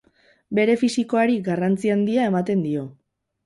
Bere fisikoari garrantzi handia ematen dio.